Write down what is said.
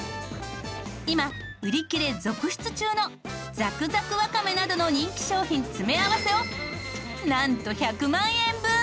今売り切れ続出中のザクザクわかめなどの人気商品詰め合わせをなんと１００万円分！